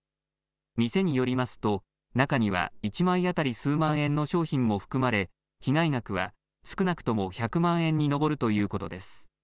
店によりますと、中には１枚当たり数万円の商品も含まれ、被害額は少なくとも１００万円に上るということです。